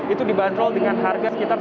itu dibanderol dengan harga sekitar